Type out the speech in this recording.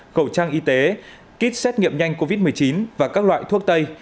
khẩu trang y tế kit xét nghiệm nhanh covid một mươi chín và các loại thuốc tây